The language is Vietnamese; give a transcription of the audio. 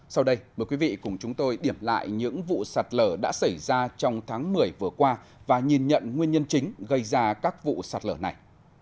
sau đây mời quý vị cùng chúng tôi điểm lại những vụ sạt lở đã xảy ra trong tháng một mươi vừa qua và nhìn nhận nguyên nhân chính gây ra các vụ sạt lở này